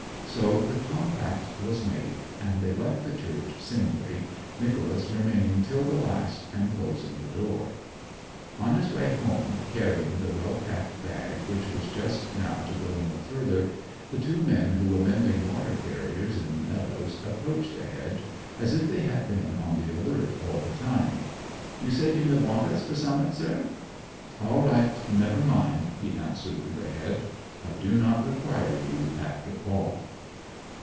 So the compact was made, and they left the church singly, Nicholas remaining till the last, and closing the door. On his way home, carrying the well packed bag which was just now to go no further, the two men who were mending water carriers in the meadows approached the hedge, as if they had been on the alert all the time. 'You said you mid want us for zummat, sir?' 'All right never mind,' he answered through the hedge. 'I did not require you after all.'